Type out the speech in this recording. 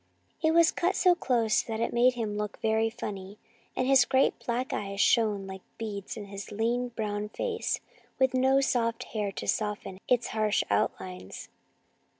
It was cut so close that it made him look very funny, and his great black eyes shone like beads in his lean brown face, with no soft hair to soften its harsh outlines.